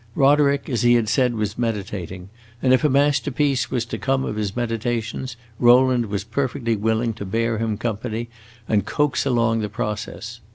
Roderick, as he had said, was meditating, and if a masterpiece was to come of his meditations, Rowland was perfectly willing to bear him company and coax along the process.